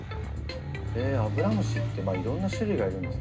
アブラムシっていろんな種類がいるんですね。